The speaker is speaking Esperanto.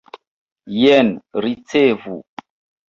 Jen, ricevu!